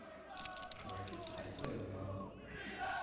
有人去排隊了嗎？